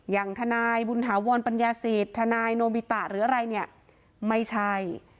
อย่างทนายบุญถาวรปัญญาสิทธิ์ทนายโนบิตะหรืออะไรเนี่ยไม่ใช่